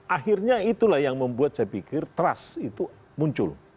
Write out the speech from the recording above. akhirnya itulah yang membuat saya pikir trust itu muncul